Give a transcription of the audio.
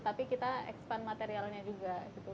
tapi kita expand materialnya juga gitu